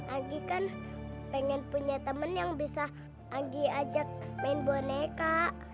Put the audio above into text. agi kan pengen punya temen yang bisa agi ajak main boneka